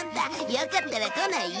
よかったら来ない？